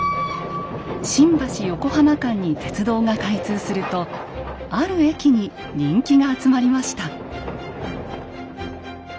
新橋・横浜間に鉄道が開通するとある駅に人気が集まりました。